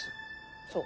そう。